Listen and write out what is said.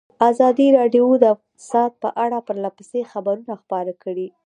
ازادي راډیو د اقتصاد په اړه پرله پسې خبرونه خپاره کړي.